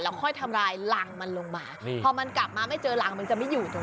ค่อยทำลายรังมันลงมาพอมันกลับมาไม่เจอรังมันจะไม่อยู่ตรงนั้น